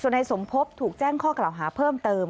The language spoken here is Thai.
นายสมพบถูกแจ้งข้อกล่าวหาเพิ่มเติม